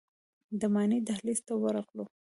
د ماڼۍ دهلیز ته ورغلو.